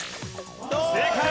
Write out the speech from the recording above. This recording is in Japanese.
正解。